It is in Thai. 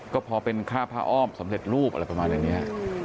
ก็พอเป็นค่าผ้าอ้อมสำเร็จรูปอะไรประมาณอย่างนี้